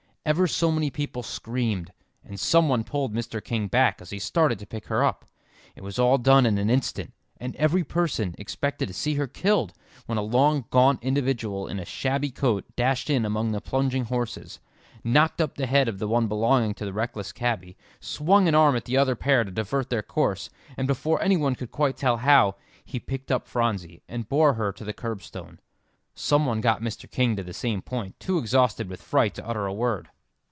Ever so many people screamed; and some one pulled Mr. King back as he started to pick her up. It was all done in an instant, and every person expected to see her killed, when a long, gaunt individual in a shabby coat dashed in among the plunging horses, knocked up the head of the one belonging to the reckless cabby, swung an arm at the other pair to divert their course, and before any one could quite tell how, he picked up Phronsie and bore her to the curbstone. Some one got Mr. King to the same point, too exhausted with fright to utter a word.